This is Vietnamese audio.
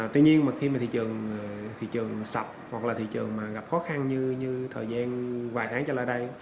tuy nhiên mà khi mà thị trường sập hoặc là thị trường mà gặp khó khăn như thời gian vài tháng trở lại đây